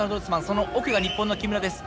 その奥が日本の木村です。